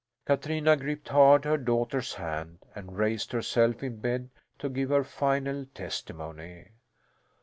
Katrina gripped hard her daughter's hand and raised herself in bed, to give her final testimony.